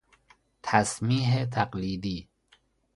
تسمیه تقلیدی